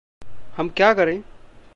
हम क्या करें?